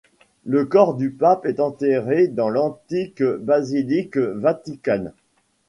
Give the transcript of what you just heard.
Le corps du pape est enterré dans l'Antique basilique vaticane.